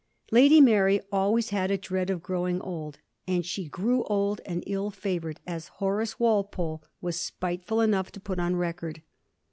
Lady Mary always had a dread of growing old ; and she grew old and ill favoured, as Horace Walpole was spiteftd enough to put on record.